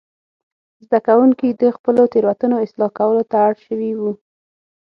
زده کوونکي د خپلو تېروتنو اصلاح کولو ته اړ شوي وو.